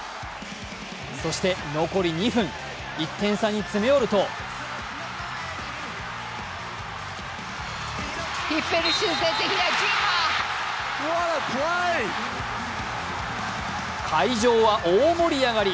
そして残り２分、１点差に詰め寄ると会場は大盛り上がり！